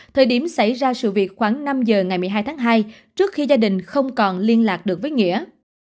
thời điểm xảy ra sự việc khoảng năm giờ ngày một mươi hai tháng hai trước khi gia đình không còn liên lạc được với nghĩa